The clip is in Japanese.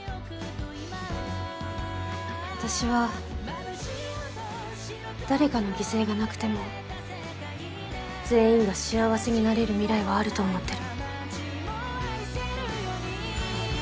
私は誰かの犠牲がなくても全員が幸せになれる未来はあると思ってる。